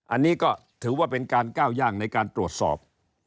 อันนี้ก็ถือว่าเป็นการก้าวย่างในการตรวจสอบ